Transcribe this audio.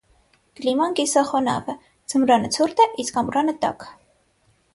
Կլիման կիսախոնավ է, ձմռանը ցուրտ է, իսկ ամռանը տաք։